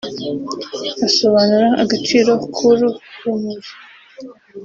asobanura agaciro k’uru rumuri